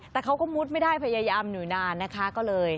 แต่เขาก็มุดไม่ได้พยายามอยู่นานนะคะ